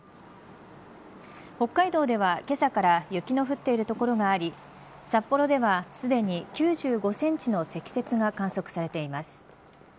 北海道ではけさから雪の降っている所があり札幌ではすでに９５センチの積雪が観測されています。